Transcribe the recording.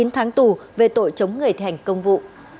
chín tháng tù về tội chống người thành công vụ